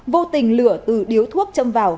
vô tình lửa từ điếu thuốc châm vào